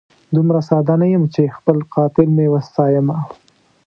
دومره ساده نه یم چي خپل قاتل مي وستایمه